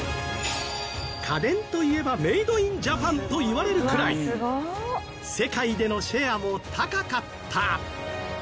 家電といえばメイド・イン・ジャパンといわれるくらい世界でのシェアも高かった